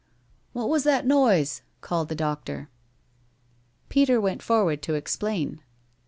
"What was that noise?" called the the doctor. Peter went forward to explain.